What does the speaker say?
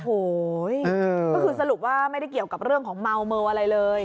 โอ้โหก็คือสรุปว่าไม่ได้เกี่ยวกับเรื่องของเมาเมออะไรเลย